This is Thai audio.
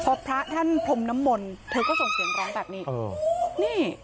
พอพระท่านพรหมณมนเธอก็ส่งเสียงร้องแบบนี้